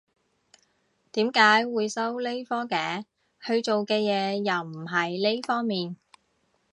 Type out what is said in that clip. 點解會收呢科嘅？佢做嘅嘢又唔係呢方面